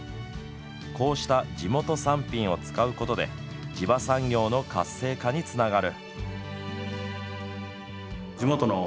こうした地元産品を使うことで地場産業の活性化につながる。